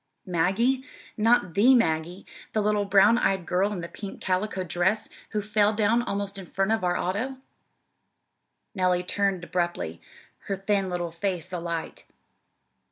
"Maggie? Not the Maggie, the little brown eyed girl in the pink calico dress, who fell down almost in front of our auto!" Nellie turned abruptly, her thin little face alight.